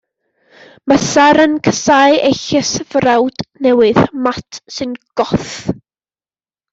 Mae Sara'n casáu ei llysfrawd newydd, Mat, sy'n Goth.